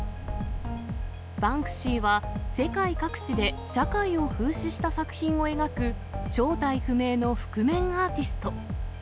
バンクシーは世界各地で社会を風刺した作品を描く、正体不明の覆面アーティスト。